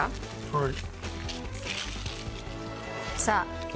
はい！